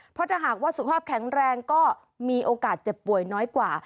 เพราะถ้าหากว่าสุขภาพแข็งแรงก็มีโอกาสเจ็บป่วยน้อยกว่า